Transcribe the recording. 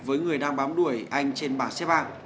với người đang bám đuổi anh trên bảng xe bạc